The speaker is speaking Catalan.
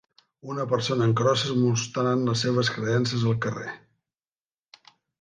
Una persona en crosses mostrant les seves creences al carrer